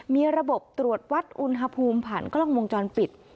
มีระบบตรวจวัดอุณหภูมิผ่านกล้องวงจรปิด